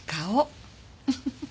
フフフ。